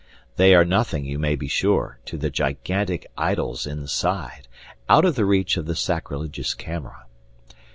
They are nothing, you may be sure, to the gigantic idols inside, out of the reach of the sacrilegious camera.